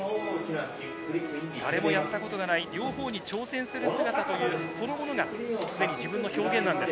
誰もやったことがない両方に挑戦する姿というそのものが、すでに自分の表現なんです。